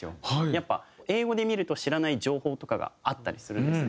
やっぱ英語で見ると知らない情報とかがあったりするんですね。